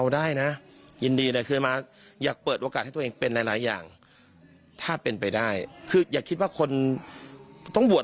สวัสดิ์พระมาศศุลมองค์ท่านเป็นเด็กหงค์